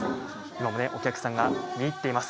今もお客さんが見入っています。